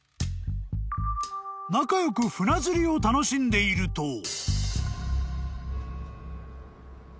［仲良く船釣りを楽しんでいると］